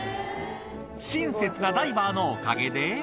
親切なダイバーのおかげで。